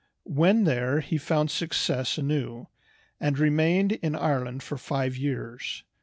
When there he found success anew, and remained in Ireland for five years.